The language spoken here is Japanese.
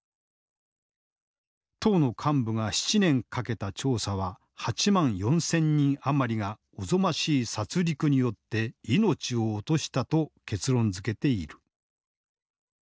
党の幹部が７年かけた調査は８万４，０００人余りがおぞましい殺戮によって命を落としたと結論づけている。